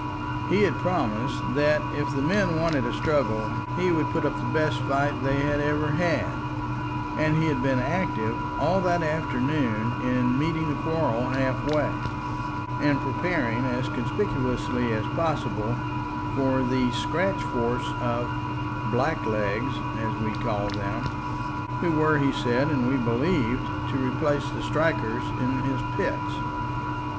He had promised that if the men wanted a struggle he would put up the best fight they had ever had, and he had been active all that afternoon in meeting the quarrel half way, and preparing as conspicuously as possible for the scratch force of "blacklegs"—as we called them—who were, he said and we believed, to replace the strikers in his pits.